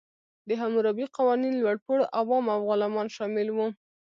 د حموربي قوانین لوړپوړو، عوام او غلامان شامل وو.